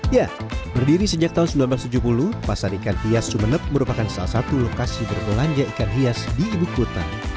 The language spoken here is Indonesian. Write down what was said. ya berdiri sejak tahun seribu sembilan ratus tujuh puluh pasar ikan hias sumeneb merupakan salah satu lokasi berbelanja ikan hias di ibu kota